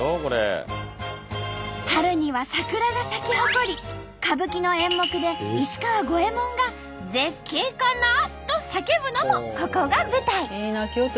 春には桜が咲き誇り歌舞伎の演目で石川五右衛門が「絶景かな」と叫ぶのもここが舞台。